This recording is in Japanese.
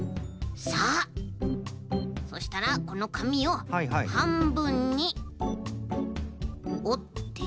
さあそしたらこのかみをはんぶんにおって。